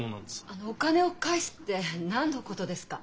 あのお金を返すって何のことですか？